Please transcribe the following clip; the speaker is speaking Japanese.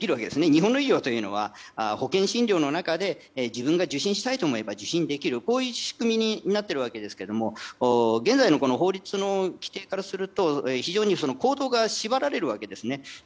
日本の医療というのは保険診療の中で自分が受診したいと思えば受診できる仕組みになっていますが現在の法律の規定からすると非常に行動が縛られるわけですね。